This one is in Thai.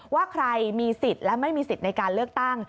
ว่าใครมีสิทธิ์และไม่มีสิทธิ์ในการเลือกตั้ง